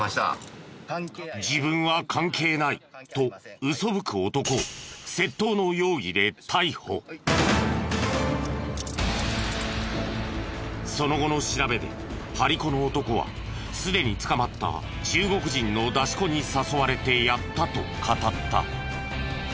自分は関係ないとうそぶく男をその後の調べで張り子の男はすでに捕まった中国人の出し子に誘われてやったと語った。